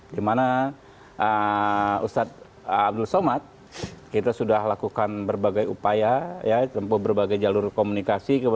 di mana ustadz abdul somad kita sudah lakukan berbagai upaya tempuh berbagai jalur komunikasi